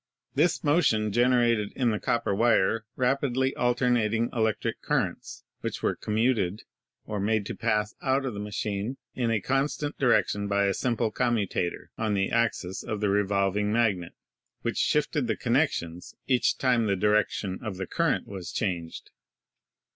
This motion gen erated in the copper wire rapidly alternating electric cur rents, which were 'commuted' or made to pass out of the machine in a constant direction by a simple 'commutator' on the axis of the revolving magnet, which shifted the connections each time the direction of the current was changed.